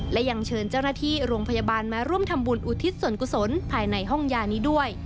และยังเชิญเจ้าหน้าที่โรงพยาบาลมาร่วมทำบุญอุทิศส่วนกุศลภายในห้องยานี้ด้วย